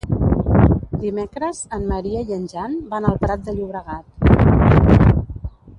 Dimecres en Maria i en Jan van al Prat de Llobregat.